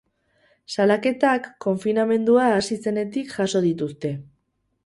Salaketak konfinamendua hasi zenetik jaso dituzte.